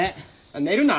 寝るな！